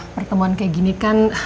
pertemuan kayak gini kan